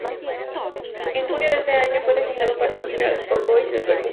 En junio de ese año fue designado para dirigir al Sport Boys del Perú.